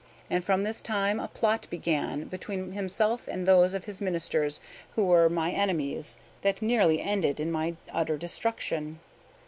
And from this time a plot began between himself and those of his Ministers who were my enemies, that nearly ended in my utter destruction.